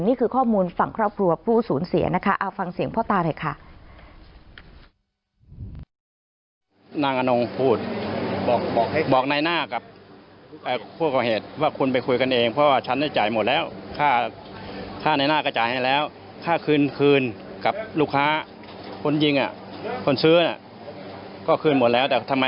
อันนี้คือข้อมูลฝั่งครอบครัวผู้ศูนย์เสียนะคะฟังเสียงพ่อตาด้วยค่ะ